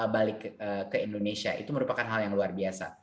balik ke indonesia itu merupakan hal yang luar biasa